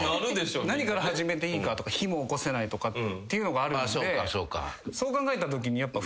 何から始めていいかとか火もおこせないとかっていうのがあるんでそう考えたときにやっぱ。